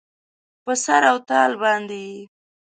په سر او تال باندې یې